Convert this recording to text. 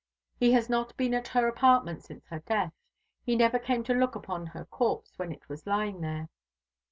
He has not been at her apartment since her death; he never came to look upon her corpse when it was lying there."